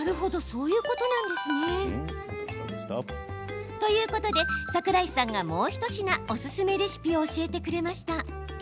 そういうことなんですね。ということで桜井さんが、もう一品おすすめレシピを教えてくれました。